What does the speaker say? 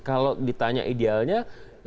kalau ditanya idealnya lakukan